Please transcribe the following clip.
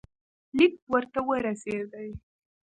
لیک ورته ورسېدی.